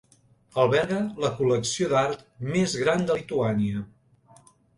Alberga la col·lecció d'art més gran de Lituània.